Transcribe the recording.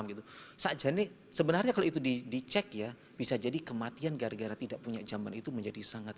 gitu saja sebenarnya kalau itu dicek ya bisa jadi kematian gara gara tidak punya jamban itu menjadi sangat